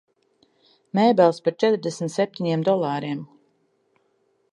Mēbeles par četrdesmit septiņiem dolāriem.